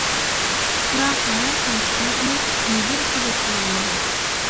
بىراق ھەر قانچە قىلىپمۇ مىدىر-سىدىر قىلالمىدى.